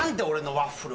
ワッフル？